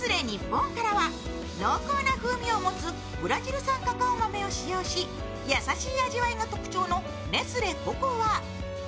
日本からは濃厚な風味を持つブラジル産カカオ豆を使用し優しい味わいが特徴のネスレココア。